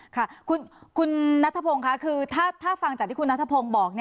คุณนัททะพงค์ค่ะถ้าฟังจากที่คุณนัททะพงค์บอก